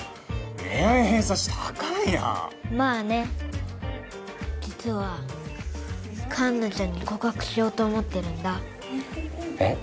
恋愛偏差値高いなまあね実は栞奈ちゃんに告白しようと思ってるんだえっ？